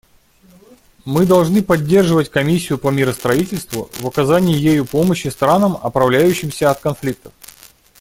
Мы должны поддерживать Комиссию по миростроительству в оказании ею помощи странам, оправляющимся от конфликтов.